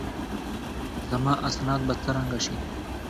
زما اسناد به څرنګه شي؟